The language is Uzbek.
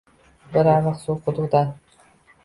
Bir ariq suv quduqdan